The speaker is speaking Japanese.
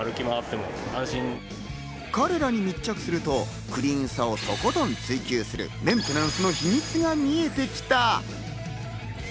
彼らに密着すると、クリーンさをとことん追求する、メンテナンスの秘密が見えてきた。